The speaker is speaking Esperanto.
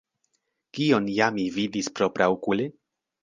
Kion ja mi vidis propraokule?